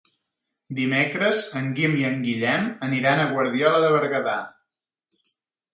Dimecres en Guim i en Guillem aniran a Guardiola de Berguedà.